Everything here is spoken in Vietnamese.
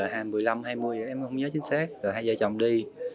năm h hai mươi năm hai mươi h em không nhớ chính xác rồi hai h chồng đi